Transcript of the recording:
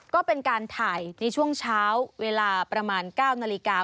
ก็เป็นการถ่ายในช่วงเช้าเวลาประมาณ๙นาฬิกา